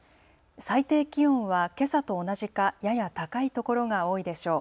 最低気温はけさと同じかやや高いところが多いでしょう。